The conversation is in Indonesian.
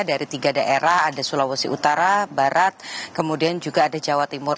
dari tiga daerah ada sulawesi utara barat kemudian juga ada jawa timur